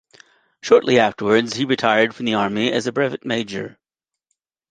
Shortly afterwards he retired from the Army as a brevet major.